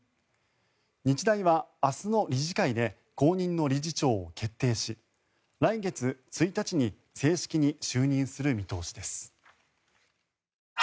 日大は明日の理事会で後任の理事長を決定し来月１日に正式に就任する見通しです。